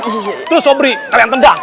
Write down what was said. terus sobri kalian tendang